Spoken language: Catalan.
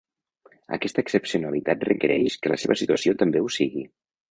Aquesta excepcionalitat requereix que la seva situació també ho sigui.